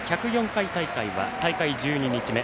１０４回大会は大会１２日目。